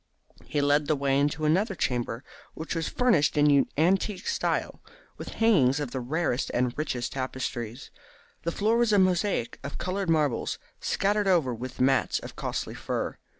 He led the way into another chamber, which was furnished in antique style, with hangings of the rarest and richest tapestry. The floor was a mosaic of coloured marbles, scattered over with mats of costly fur.